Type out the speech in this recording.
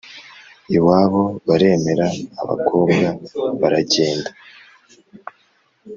iwabo baremera, abakobwa baragenda.